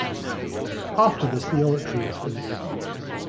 After this the oratory was built.